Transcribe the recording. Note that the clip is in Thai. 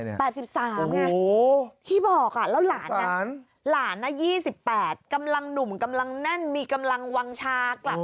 ๘๓ไงที่บอกแล้วหลานนะหลาน๒๘กำลังหนุ่มกำลังแน่นมีกำลังวางชากลับ